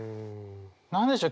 何でしょう？